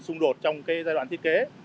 xung đột trong giai đoạn thiết kế